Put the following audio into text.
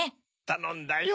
たのんだよ。